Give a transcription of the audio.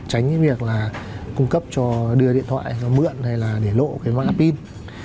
tránh việc cung cấp cho đưa điện thoại mượn hay là để lộ mạng pin